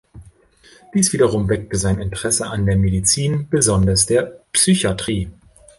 Dies wiederum weckte sein Interesse an der Medizin, besonders der Psychiatrie.